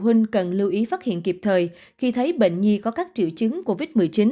bác sĩ trương hữu khanh cũng lưu ý phát hiện kịp thời khi thấy bệnh nhi có các triệu chứng covid một mươi chín